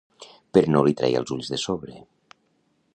Però no li treia els ulls de sobre.